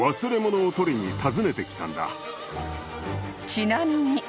［ちなみに］